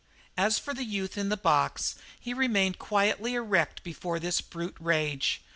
As for the youth in the box, he remained quietly erect before this brute rage.